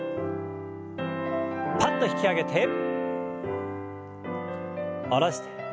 パッと引き上げて下ろして。